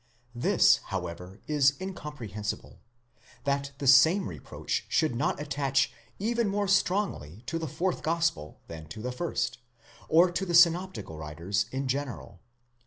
This, however, is incomprehensible—that the same reproach should not attach even more strongly to the fourth gospel than to the first, or to the synoptical writers in general.